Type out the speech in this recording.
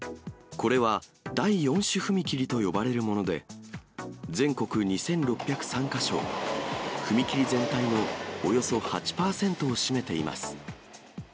これは第４種踏切と呼ばれるもので、全国２６０３か所、踏切全体のおよそ８％を占めています。